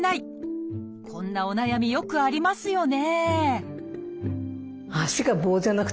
こんなお悩みよくありますよね